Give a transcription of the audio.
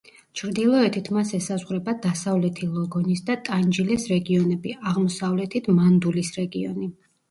ჩრდილოეთით მას ესაზღვრება დასავლეთი ლოგონის და ტანჯილეს რეგიონები, აღმოსავლეთით მანდულის რეგიონი.